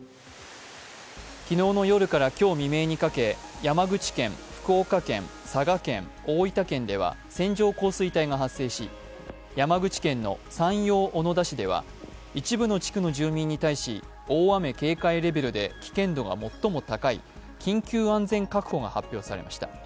昨日の夜から今日未明にかけ山口県・福岡県・佐賀県大分県では線状降水帯が発生し山口県の山陽小野田市では一部の地区の住民に対し、大雨警戒レベルで危険度が最も高い緊急安全確保が発表されました。